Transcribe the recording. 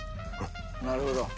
なるほど。